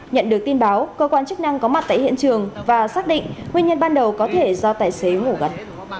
nhận được tin báo cơ quan chức năng có mặt tại hiện trường và xác định nguyên nhân ban đầu có thể do tài xế ngủ gật